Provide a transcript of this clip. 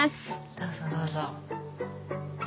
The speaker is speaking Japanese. どうぞどうぞ。